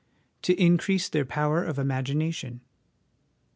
To increase their power of imagination.